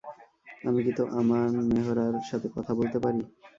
আমি কি আমান মেহরার সাথে কথা বলতে পারি?